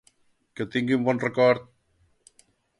Que tingui un bon record!